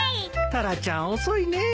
タラちゃん遅いねぇ。